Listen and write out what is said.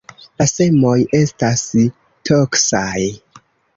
La semoj estas toksaj.